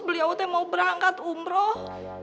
beliau itu mau berangkat umroh